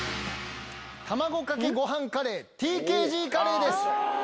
たまごかけご飯カレー、ＴＫＧカレーです。